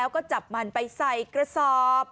ก็จับมันไปใส่กระซอบ